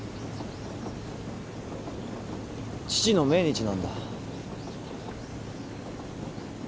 父の命日なんだ。